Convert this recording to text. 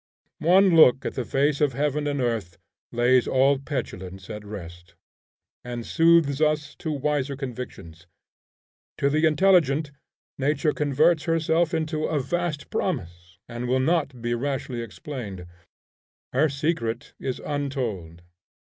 One look at the face of heaven and earth lays all petulance at rest, and soothes us to wiser convictions. To the intelligent, nature converts itself into a vast promise, and will not be rashly explained. Her secret is untold.